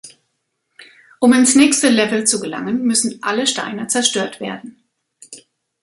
Um ins nächste Level zu gelangen, müssen alle Steine zerstört werden.